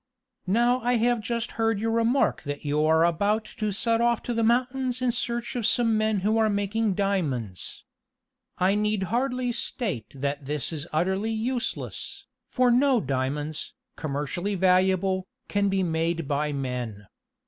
Now I have just heard you remark that you are about to set off to the mountains in search of some men who are making diamonds. I need hardly state that this is utterly useless, for no diamonds, commercially valuable, can be made by men.